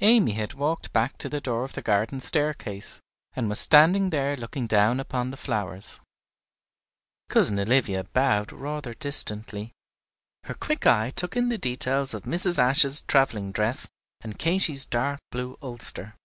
Amy had walked back to the door of the garden staircase, and was standing there looking down upon the flowers. Cousin Olivia bowed rather distantly. Her quick eye took in the details of Mrs. Ashe's travelling dress and Katy's dark blue ulster.